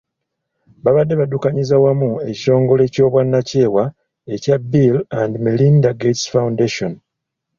Babadde baddukanyiza wamu ekitongole ky'obwannakyewa ekya Bill and Melinda Gates Foundation.